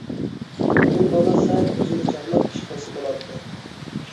بۇ بالا سەل ئۆزىنى چاغلاپ ئىش قىلسا بولاتتى.